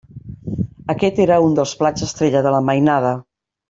Aquest era un dels plats estrella de la mainada.